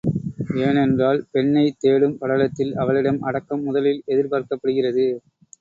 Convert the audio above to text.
ஏனென்றால் பெண்ணைத் தேடும் படலத்தில் அவளிடம் அடக்கம் முதலில் எதிர்பார்க்கப்படுகிறது.